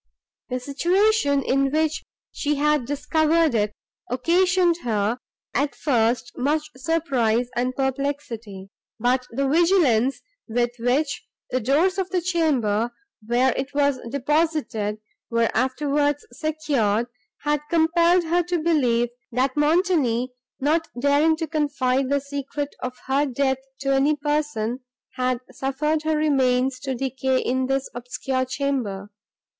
The situation, in which she had discovered it, occasioned her, at first, much surprise and perplexity; but the vigilance, with which the doors of the chamber, where it was deposited, were afterwards secured, had compelled her to believe, that Montoni, not daring to confide the secret of her death to any person, had suffered her remains to decay in this obscure chamber.